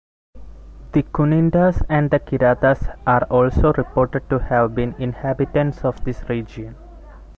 The Kunindas and Kiratas are also reported to have been inhabitants of this region.